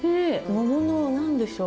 桃の何でしょう